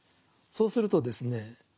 そうするとですね